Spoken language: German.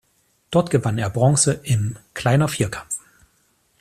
Dort gewann er Bronze im Kleiner-Vierkampf.